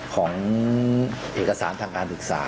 ของเอกสารทางการศึกษา